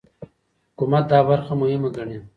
حکومت دا برخه مهمه ګڼي.